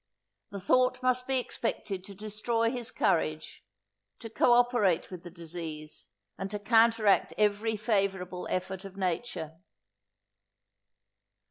The thought must be expected to destroy his courage, to co operate with the disease, and to counteract every favourable effort of nature.